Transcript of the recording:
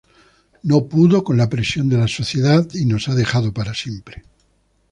No pudo con la presión de la sociedad y nos ha dejado para siempre.